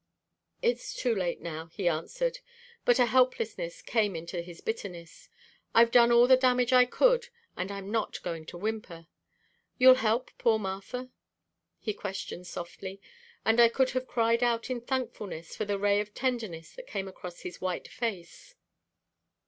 "It's too late now," he answered, but a helplessness came into his bitterness. "I've done all the damage I could and I'm not going to whimper. You'll help poor Martha?" he questioned softly, and I could have cried out in thankfulness for the ray of tenderness that came across his white face.